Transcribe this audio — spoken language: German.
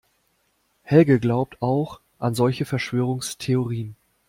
Helge glaubt auch an solche Verschwörungstheorien.